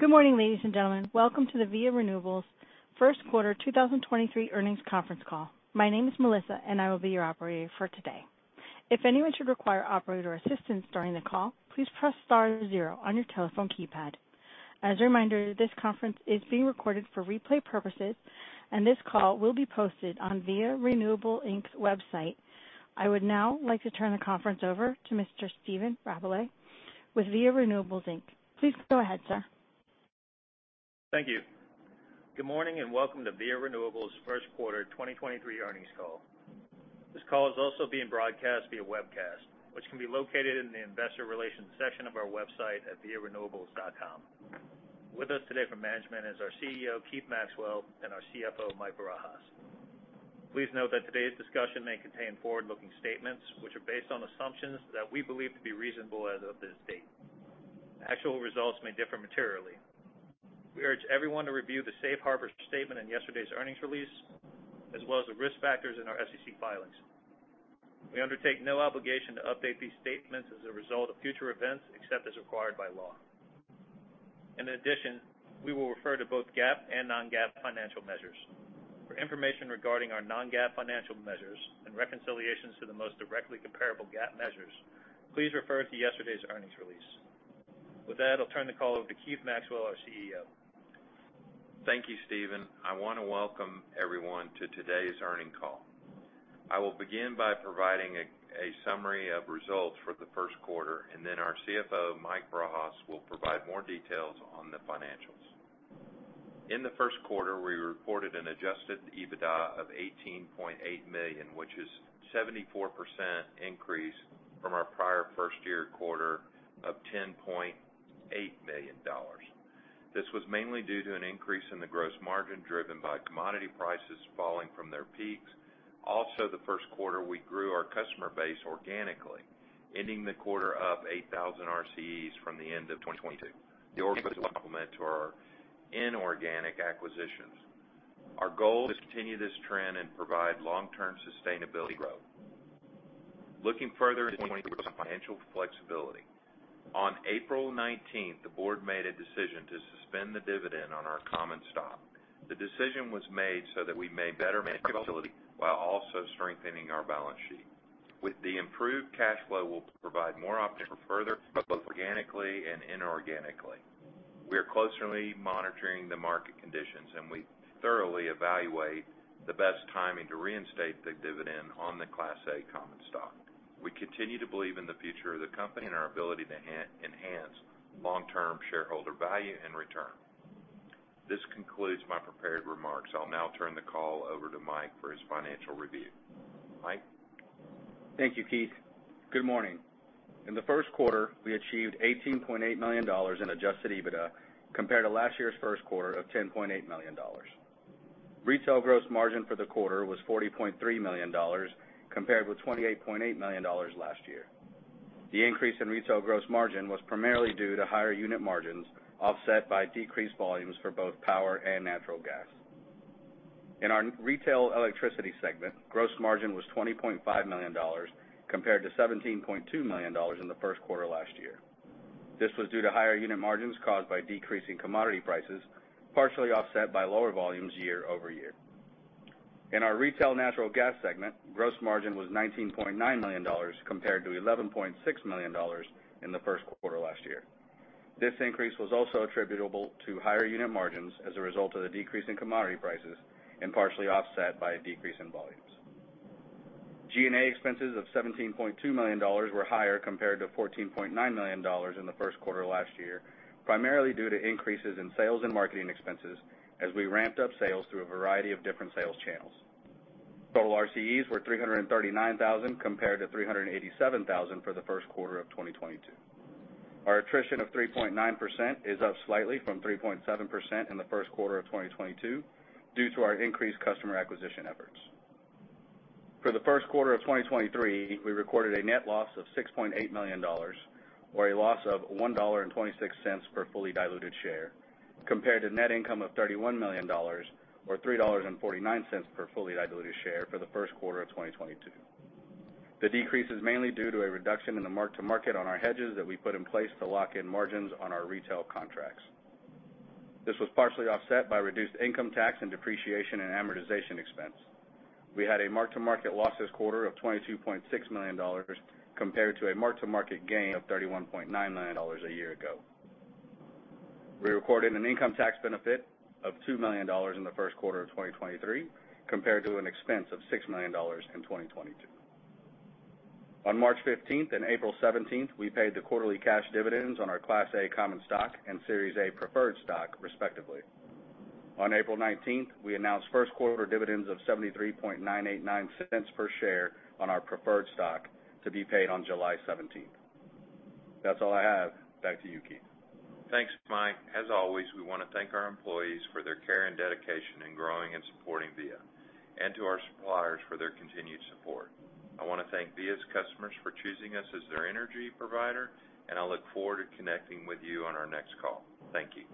Good morning, ladies and gentlemen. Welcome to the Via Renewables First Quarter 2023 Earnings Conference Call. My name is Melissa, and I will be your operator for today. If anyone should require operator assistance during the call, please press star zero on your telephone keypad. As a reminder, this conference is being recorded for replay purposes, and this call will be posted on Via Renewables, Inc.'s website. I would now like to turn the conference over to Mr. Stephen Rabalais with Via Renewables, Inc. Please go ahead, sir. Thank you. Good morning, welcome to Via Renewables First Quarter 2023 earnings call. This call is also being broadcast via webcast, which can be located in the investor relations section of our website at viarenewables.com. With us today from management is our CEO, Keith Maxwell, and our CFO, Mike Barajas. Please note that today's discussion may contain forward-looking statements which are based on assumptions that we believe to be reasonable as of this date. Actual results may differ materially. We urge everyone to review the safe harbor statement in yesterday's earnings release, as well as the risk factors in our SEC filings. We undertake no obligation to update these statements as a result of future events except as required by law. We will refer to both GAAP and non-GAAP financial measures. For information regarding our non-GAAP financial measures and reconciliations to the most directly comparable GAAP measures, please refer to yesterday's earnings release. With that, I'll turn the call over to Keith Maxwell, our CEO. Thank you, Stephen. I wanna welcome everyone to today's earnings call. I will begin by providing a summary of results for the first quarter. Then our CFO, Mike Barajas, will provide more details on the financials. In the first quarter, we reported an Adjusted EBITDA of $18.8 million, which is 74% increase from our prior first year quarter of $10.8 million. This was mainly due to an increase in the gross margin driven by commodity prices falling from their peaks. Also, the first quarter, we grew our customer base organically, ending the quarter of 8,000 RCEs from the end of 2022. The to our inorganic acquisitions. Our goal is to continue this trend and provide long-term sustainability growth. Looking further into 20 financial flexibility. On April 19th, the board made a decision to suspend the dividend on our common stock. The decision was made so that we may better manage while also strengthening our balance sheet. With the improved cash flow, we'll provide more for further both organically and inorganically. We are closely monitoring the market conditions, and we thoroughly evaluate the best timing to reinstate the dividend on the Class A common stock. We continue to believe in the future of the company and our ability to enhance long-term shareholder value in return. This concludes my prepared remarks. I'll now turn the call over to Mike for his financial review. Mike? Thank you, Keith. Good morning. In the first quarter, we achieved $18.8 million in Adjusted EBITDA compared to last year's first quarter of $10.8 million. retail gross margin for the quarter was $40.3 million compared with $28.8 million last year. The increase in retail gross margin was primarily due to higher unit margins offset by decreased volumes for both power and natural gas. In our retail electricity segment, gross margin was $20.5 million compared to $17.2 million in the first quarter last year. This was due to higher unit margins caused by decreasing commodity prices, partially offset by lower volumes year-over-year. In our retail natural gas segment, gross margin was $19.9 million compared to $11.6 million in the first quarter last year. This increase was also attributable to higher unit margins as a result of the decrease in commodity prices and partially offset by a decrease in volumes. G&A expenses of $17.2 million were higher compared to $14.9 million in the first quarter last year, primarily due to increases in sales and marketing expenses as we ramped up sales through a variety of different sales channels. Total RCEs were 339,000 compared to 387,000 for the first quarter of 2022. Our attrition of 3.9% is up slightly from 3.7% in the first quarter of 2022 due to our increased customer acquisition efforts. For the first quarter of 2023, we recorded a net loss of $6.8 million or a loss of $1.26 per fully diluted share, compared to net income of $31 million or $3.49 per fully diluted share for the first quarter of 2022. The decrease is mainly due to a reduction in the mark-to-market on our hedges that we put in place to lock in margins on our retail contracts. This was partially offset by reduced income tax and depreciation and amortization expense. We had a mark-to-market loss this quarter of $22.6 million compared to a mark-to-market gain of $31.9 million a year ago. We recorded an income tax benefit of $2 million in the first quarter of 2023 compared to an expense of $6 million in 2022. On March 15th and April 17th, we paid the quarterly cash dividends on our Class A common stock and Series A preferred stock respectively. On April 19th, we announced first-quarter dividends of $0.73989 per share on our preferred stock to be paid on July 17th. That's all I have. Back to you, Keith. Thanks, Mike. As always, we wanna thank our employees for their care and dedication in growing and supporting Via, and to our suppliers for their continued support. I wanna thank Via's customers for choosing us as their energy provider, I look forward to connecting with you on our next call. Thank you.